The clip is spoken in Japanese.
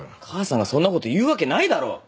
母さんがそんなこと言うわけないだろ。